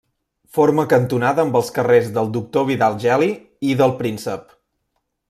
Forma cantonada amb els carrers del Doctor Vidal Geli i del Príncep.